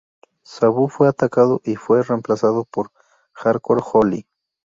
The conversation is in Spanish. Sabu fue atacado y fue remplazado por Hardcore Holly.